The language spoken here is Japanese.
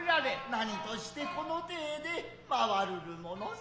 何として此の体で舞わるるものぞ。